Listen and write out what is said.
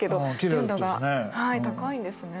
純度が高いんですね。